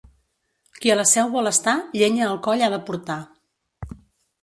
Qui a la Seu vol estar, llenya al coll ha de portar.